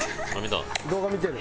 動画見てる。